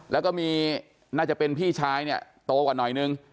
แล้วก็มีน่าจะเป็นพี่ชายเนี่ยโตกว่าหน่อยนึง